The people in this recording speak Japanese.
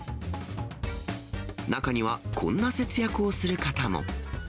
中にはこんな節約をする方も。